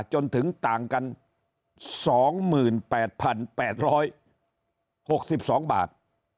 จนถึงต่างกัน๒๘๘๖๒บาท